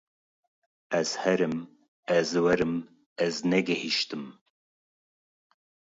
Ez herim, ez werim, ez ne gehîştim